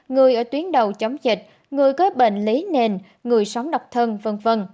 người ở tuyến đầu chống dịch người có bệnh lý nền người sống độc thân v v